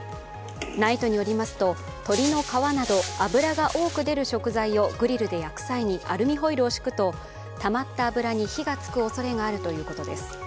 ＮＩＴＥによりますと鶏の皮など脂が多く出る食材をグリルで厄災にアルミホイルを敷くと、たまった脂に火がつくおそれがあるということです。